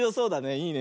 いいね。